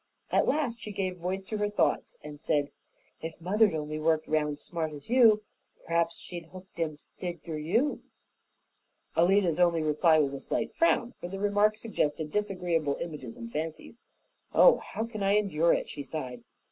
At last she gave voice to her thoughts and said, "If mother'd only worked round smart as you, p'raps she'd hooked him 'stid er you." Alida's only reply was a slight frown, for the remark suggested disagreeable images and fancies. "Oh, how can I endure it?" she sighed.